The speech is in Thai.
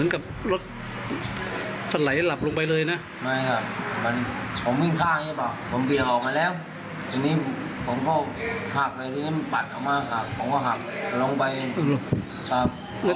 ครับผมก็หากลงไปครับ